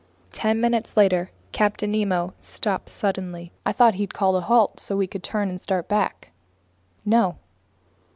Ten minutes later, Captain Nemo stopped suddenly. I thought he'd called a halt so that we could turn and start back. No.